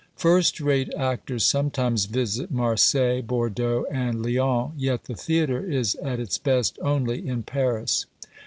First rate actors sometimes visit Marseilles, Bordeaux and Lyons, yet the theatre is at its best only in Paris.